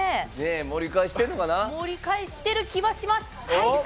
盛り返してる気はします。